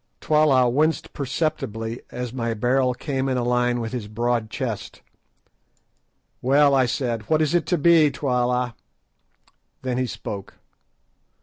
Twala winced perceptibly as my barrel came in a line with his broad chest. "Well," I said, "what is it to be, Twala?" Then he spoke.